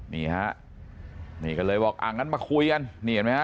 นี่ฮะนี่ก็เลยบอกอ่างั้นมาคุยกันนี่เห็นไหมฮะ